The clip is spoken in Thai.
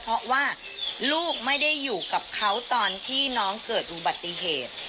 เพราะว่าลูกไม่ได้อยู่กับเขาตอนที่น้องเกิดอุบัติเหตุ